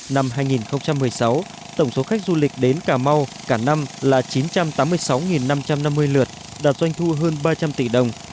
năm hai nghìn một mươi sáu tổng số khách du lịch đến cà mau cả năm là chín trăm tám mươi sáu năm trăm năm mươi lượt đạt doanh thu hơn ba trăm linh tỷ đồng